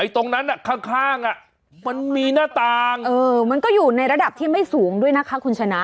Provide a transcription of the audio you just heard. ตรงนั้นข้างมันมีหน้าต่างมันก็อยู่ในระดับที่ไม่สูงด้วยนะคะคุณชนะ